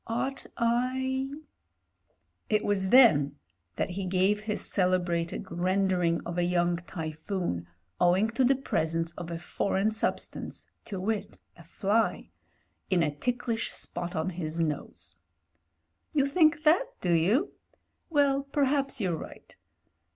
Ought I " It was then that he gave his cdebrated rendering of a young typhoon, owing to the presence of a foreign substance — ^to wit, a fly — in a ticklish spot on his nose. "You think that, do you? Well, perhaps you're right.